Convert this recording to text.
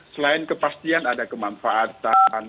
selain kepastian ada kemanfaatan